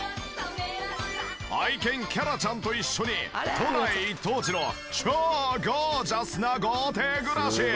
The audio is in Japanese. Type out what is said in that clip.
愛犬伽羅ちゃんと一緒に都内一等地の超ゴージャスな豪邸暮らし！